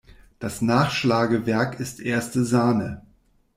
Das Nachschlagewerk ist erste Sahne!